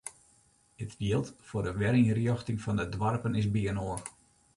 It jild foar de werynrjochting fan de doarpen is byinoar.